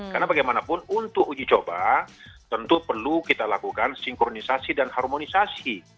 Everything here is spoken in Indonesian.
karena bagaimanapun untuk uji coba tentu perlu kita lakukan sinkronisasi dan harmonisasi